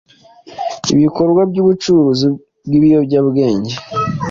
ibikorwa by'ubucuruzi bw'ibiyobyabwenge